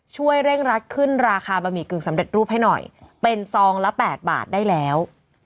ช่วยเร่งรัดขึ้นราคาบะหมี่กึ่งสำเร็จรูปให้หน่อยเป็นซองละ๘บาทได้แล้ว